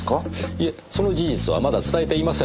いえその事実はまだ伝えていませんでした。